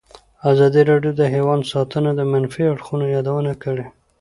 ازادي راډیو د حیوان ساتنه د منفي اړخونو یادونه کړې.